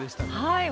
はい。